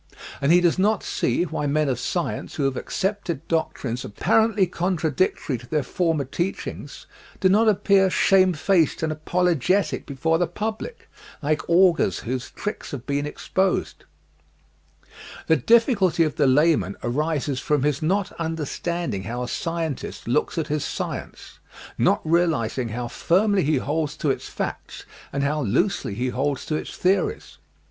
And he does not see why men of science who have accepted doctrines apparently contradictory to their former teachings do not appear shamefaced and apologetic before the public, like augurs whose tricks had been exposed. 100 EASY LESSONS IN EINSTEIN The difficulty of the layman arises from his not understanding how a scientist looks at his science ; not realizing how firmly he holds to its facts and how loosely he holds to its theories.